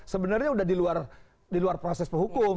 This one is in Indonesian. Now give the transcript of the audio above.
sebenarnya sudah di luar proses hukum